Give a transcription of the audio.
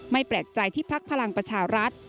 แปลกใจที่พักพลังประชารัฐ